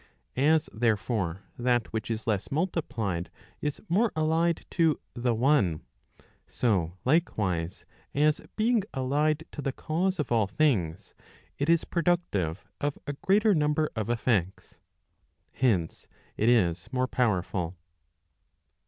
As therefore, that which is less multiplied, is more allied to the one y so likewise as being allied to the cause of all things, it is productive of a greater number of effects. Hence it is more powerful.